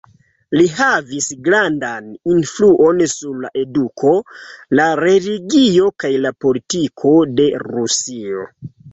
Li havis grandan influon sur la eduko, la religio kaj la politiko de Rusio.